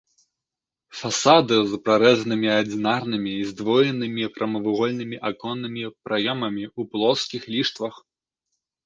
Фасады з прарэзанымі адзінарнымі і здвоенымі прамавугольнымі аконнымі праёмамі ў плоскіх ліштвах.